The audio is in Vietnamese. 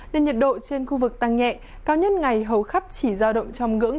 nên nhiệt độ trên khu vực tăng nhẹ cao nhất ngày hầu khắp chỉ giao động trong ngưỡng